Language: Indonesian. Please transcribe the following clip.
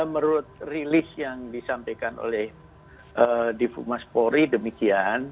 menurut rilis yang disampaikan oleh divuma spori demikian